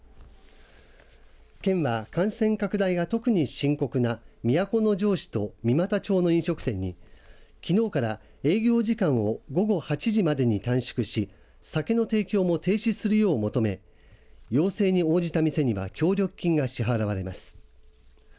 県は感染拡大が特に深刻な都城市と三股町の飲食店にきのうから、営業時間を午後８時までに短縮し酒の提供も停止するよう求め要請に応じた店には協力金が支払われます。